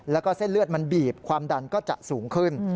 แล้วก็เส้นเลือดมันบีบความดันก็จะสูงขึ้น